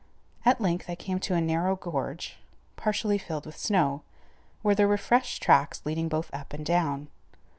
At length I came to a narrow gorge, partially filled with snow, where there were fresh tracks leading both up and down.